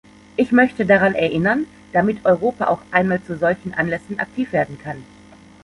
Ich möchte daran erinnern, damit Europa auch einmal zu solchen Anlässen aktiv werden kann.